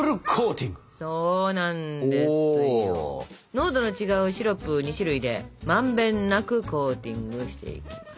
濃度の違うシロップを２種類でまんべんなくコーティングしていきます。